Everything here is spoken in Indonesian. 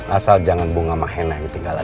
asal jangan bunga sama hena yang ketinggalan ya